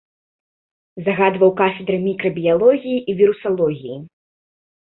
Загадваў кафедрай мікрабіялогіі і вірусалогіі.